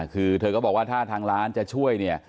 คือเธอก็บอกว่าถ้าทางร้านจะช่วยเนี่ย